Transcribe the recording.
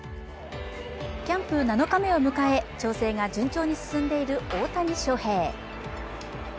キャンプ７日目を迎え、調整が順調に進んでいる大谷翔平。